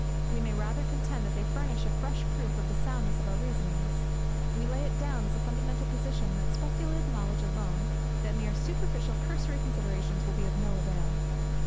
We may rather contend that they furnish a fresh proof of the soundness of our reasonings. We lay it down as a fundamental position, that speculative knowledge alone, that mere superficial cursory considerations, will be of no avail.